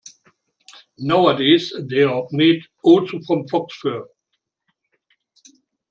Nowadays they are made also from fox fur.